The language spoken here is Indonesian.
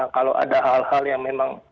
kalau ada hal hal yang memang